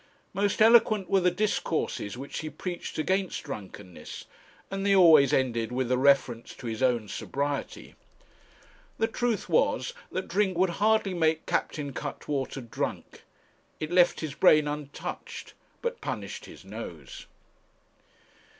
Most eloquent were the discourses which he preached against drunkenness, and they always ended with a reference to his own sobriety. The truth was, that drink would hardly make Captain Cuttwater drunk. It left his brain untouched, but punished his nose.